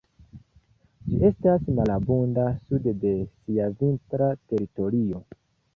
Ĝi estas malabunda sude de sia vintra teritorio.